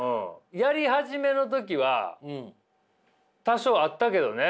やり始めの時は多少あったけどね。